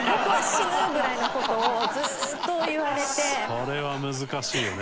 それは難しいよね。